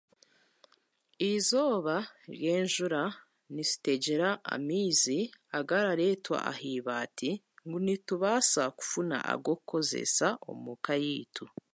Eizooba ry'enjuura nitutegyera amaizi agararetwa ahibaati ngu nitubasa kufuna ag'okukozesa omuka yeitu.